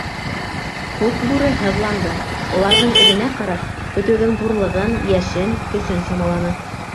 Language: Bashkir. Күкбүре һыҙланды, уларҙың эҙенә ҡарап, көтөүҙең ҙурлығын, йәшен, көсөн самаланы.